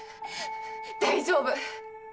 大丈夫。